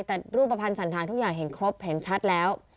แต่รูปภัณฑ์สันธารทุกอย่างเห็นครบเห็นชัดแล้ว